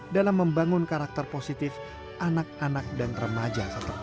dalam membangun karakter positif anak anak dan remaja